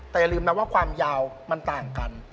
แต่อย่าลืมนะว่าความยาวมันต่างกัน